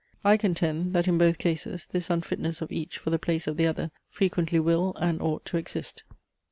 I contend, that in both cases this unfitness of each for the place of the other frequently will and ought to exist.